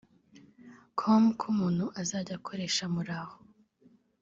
com ko umuntu uzajya akoresha Muraho